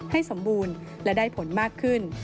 ให้สมบูรณ์และได้ผลมากขึ้น